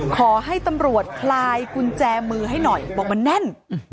ขอให้ตำรวจคลายกุญแจมือให้หน่อยบอกมันแน่น